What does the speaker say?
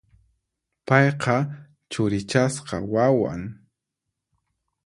Payqa churichasqa wawan.